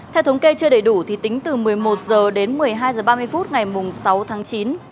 theo thống kê chưa đầy đủ thì tính từ một mươi một h đến một mươi hai h ba mươi phút ngày sáu tháng chín